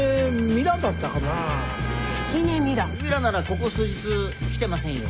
ミラならここ数日来てませんよ。